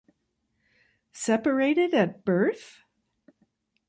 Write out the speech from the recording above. Separated at Birth?